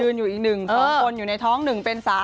ยืนอยู่อีกหนึ่ง๒คนอยู่ในท้องหนึ่งเป็น๓